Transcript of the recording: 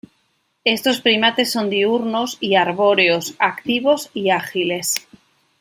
Estos primates son diurnos y arbóreos, activos y ágiles.